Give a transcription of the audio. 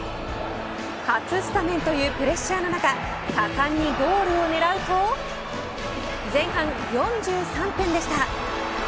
初スタメンというプレッシャーの中果敢にゴールを狙うと前半４３分でした。